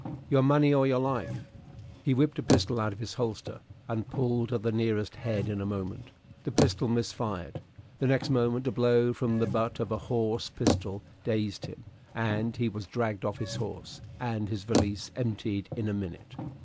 "Your money or your life!" He whipped a pistol out of his holster, and pulled at the nearest head in a moment. The pistol missed fire. The next moment a blow from the butt end of a horse pistol dazed him, and he was dragged off his horse, and his valise emptied in a minute.